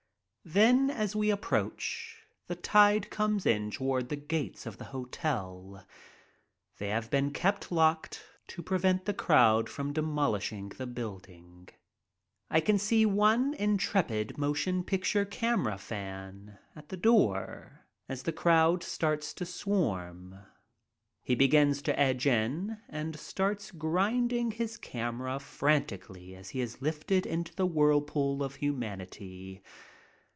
Then as we approach, the tide comes in toward the gates of the hotel. They have been kept locked to prevent the crowd from demolishing the building. I can see one intrepid motion picture camera fan at the door as the crowd starts to swarm. He begins to edge in, and starts grinding his camera frantically as he is lifted into the whirlpool of human ity.